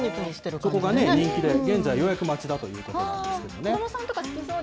そこが人気で、現在予約待ちだということなんこういうけどね。